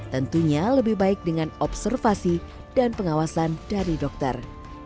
tentunya lebih baik dengan observasi dan pengawasan dari dokter